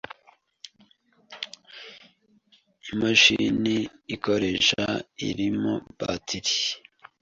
imashini ukoresha irimo batterie